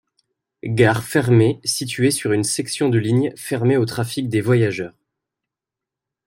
Gare fermée située sur une section de ligne fermée au trafic des voyageurs.